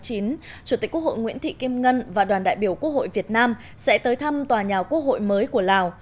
chủ tịch quốc hội nguyễn thị kim ngân và đoàn đại biểu quốc hội việt nam sẽ tới thăm tòa nhà quốc hội mới của lào